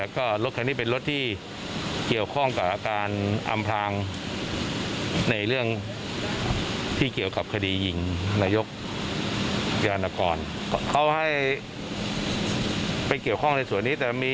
เขามีความสัมพันธ์กับผู้ก่อยเห็นไหมครับ